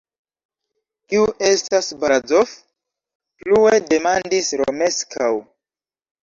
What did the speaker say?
Kiu estas Barazof? plue demandis Romeskaŭ.